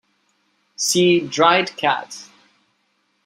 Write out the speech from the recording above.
See Dried cat.